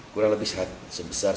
kurang lebih sebesar